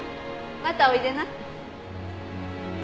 またおいでな。